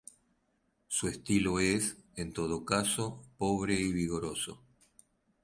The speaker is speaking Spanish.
Su estilo es, en todo caso, pobre y vigoroso.